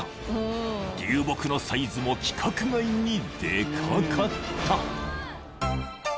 ［流木のサイズも規格外にでかかった］